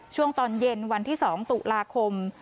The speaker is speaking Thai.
ช่วงตอนเย็นวันที่๒ตุลาคม